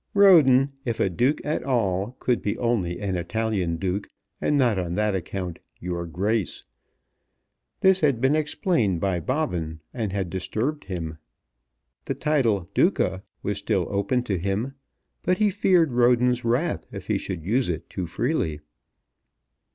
Roden, if a Duke at all, could be only an Italian Duke and not on that account "Your Grace." This had been explained by Bobbin, and had disturbed him. The title "Duca" was still open to him; but he feared Roden's wrath if he should use it too freely.